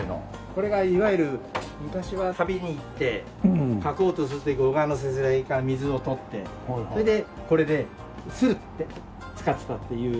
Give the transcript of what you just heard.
これがいわゆる昔は旅に行って描こうとする時小川のせせらぎから水を取ってそれでこれですって使ってたっていう。